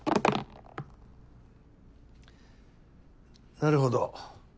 なるほど。